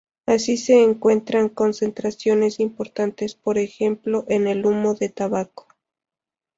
Así se encuentran concentraciones importantes por ejemplo en el humo de tabaco.